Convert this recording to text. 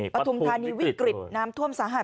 ปฐุมธานีวิกฤตน้ำท่วมสาหัส